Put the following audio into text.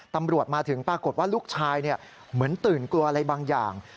ตำรวจมาถึงปรากฏว่าลูกชายเหมือนตื่นกลัวอะไรบางอย่าง